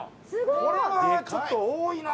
これはちょっと多いな。